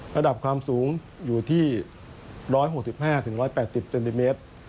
ระดับความสูงอยู่ที่๑๖๕๑๘๐เซนติเมตร